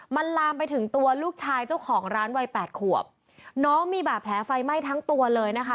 มันลามไปถึงตัวลูกชายเจ้าของร้านวัยแปดขวบน้องมีบาดแผลไฟไหม้ทั้งตัวเลยนะคะ